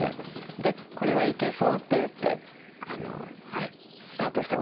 でこれはいけそうといってスタートしたことありますね。